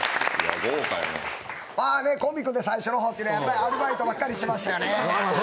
コンビ組んで最初の方ってアルバイトばっかりしてましたよね。